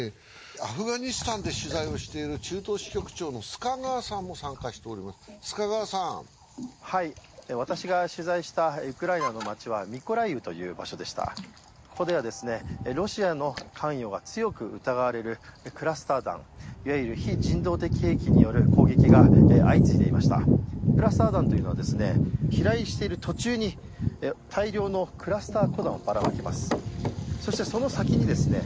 アフガニスタンで取材をしている中東支局長の須賀川さんも参加しております須賀川さんはい私が取材したウクライナの町はミコライウという場所でしたここではですねロシアの関与が強く疑われるクラスター弾いわゆる非人道的兵器による攻撃が相次いでいましたクラスター弾というのはですね飛来している途中に大量のクラスター小弾をばらまきますそしてその先にですね